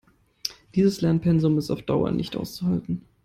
Dieses Lernpensum ist auf Dauer nicht auszuhalten.